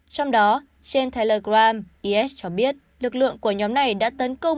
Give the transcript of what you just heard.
trong đó trên telegram is cho biết lực lượng của nhóm này đã tấn công